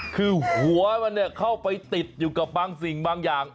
คือหัวมันเข้าไปติดอยู่กับบางสิ่งบางอย่าง